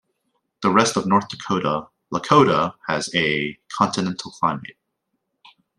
Like the rest of North Dakota, Lakota has a continental climate.